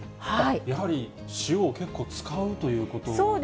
やはり塩を結構使うということなんですかね。